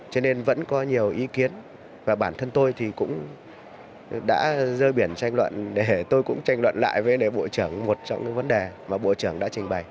cho nên vẫn có nhiều ý kiến và bản thân tôi thì cũng đã rơi biển tranh luận để tôi cũng tranh luận lại với đề bộ trưởng một trong những vấn đề mà bộ trưởng đã trình bày